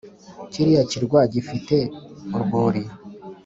kiriya kirwa gifite urwuri